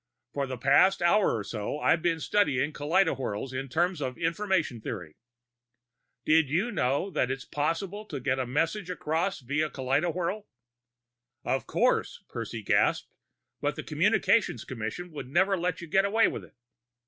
For the past hour or so, I've been studying kaleidowhirls in terms of information theory. Did you know that it's possible to get messages across via kaleidowhirl?" "Of course," Percy gasped. "But the Communications Commission would never let you get away with it!"